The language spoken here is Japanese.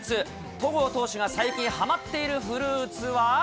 戸郷投手が最近はまっているフルーツは？